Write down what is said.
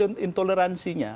itu tingkat intoleransinya